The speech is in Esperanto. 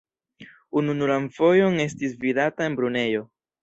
Ununuran fojon estis vidata en Brunejo.